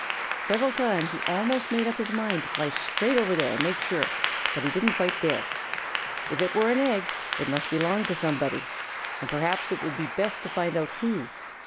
Several times he almost made up his mind to fly straight over there and make sure, but he didn't quite dare. If it were an egg, it must belong to somebody, and perhaps it would be best to find out who.